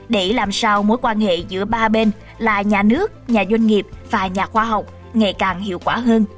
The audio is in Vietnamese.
để làm sao mối quan hệ giữa ba bên là nhà nước nhà doanh nghiệp và nhà khoa học ngày càng hiệu quả hơn